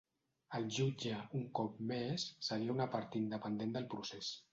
El jutge, un cop més, seria una part independent del procés.